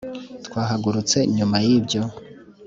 twahagurutse nyuma yibyo.